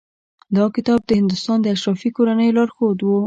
دا کتاب د هندوستان د اشرافي کورنیو لارښود و.